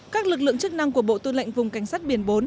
các lực lượng chức năng của bộ tư lệnh vùng cảnh sát biển bốn